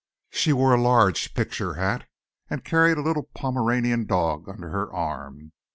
She wore a large picture hat and carried a little Pomeranian dog under her arm.